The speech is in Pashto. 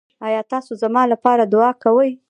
ایا تاسو زما لپاره دعا کوئ؟